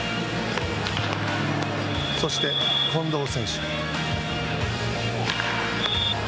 そして近藤選手。